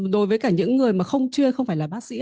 đối với cả những người mà không chuyên không phải là bác sĩ ạ